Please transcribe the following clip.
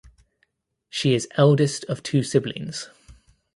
She is eldest of two siblings.